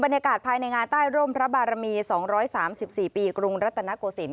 บรรยากาศภายในงานใต้ร่มพระบารมี๒๓๔ปีกรุงรัตนโกศิลป